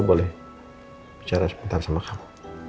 boleh bicara sebentar sama kamu